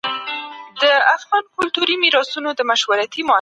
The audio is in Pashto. دا کار دوام ورکړئ.